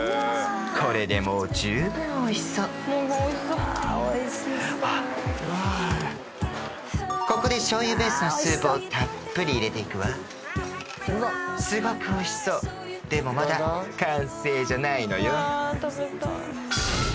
これでもう十分おいしそうここで醤油ベースのスープをたっぷり入れていくわすごくおいしそうでもまだ完成じゃないのよ